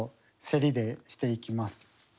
競りでしていきます。